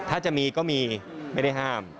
ถ้าจะมีก็มีไม่ได้ห้าม